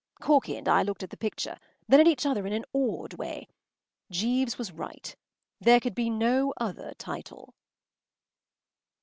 ’” Corky and I looked at the picture, then at each other in an awed way. Jeeves was right. There could be no other title.